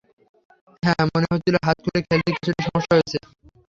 হ্যাঁ, মনে হচ্ছিল হাত খুলে খেলতে কিছুটা সমস্যা হয়েছে।